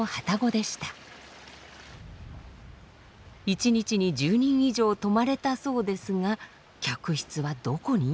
一日に１０人以上泊まれたそうですが客室はどこに？